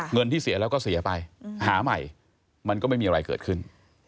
เงินที่เสียแล้วก็เสียไปหาใหม่มันก็ไม่มีอะไรเกิดขึ้น